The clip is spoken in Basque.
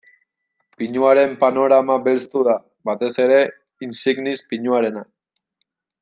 Pinuaren panorama belztu da, batez ere insignis pinuarena.